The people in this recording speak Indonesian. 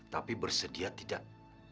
tapi bersedia tidak